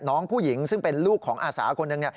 น้องผู้หญิงซึ่งเป็นลูกของอาสาคนหนึ่ง